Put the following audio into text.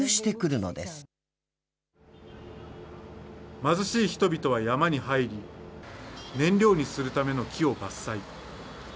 貧しい人々は山に入り、燃料にするための木を伐採。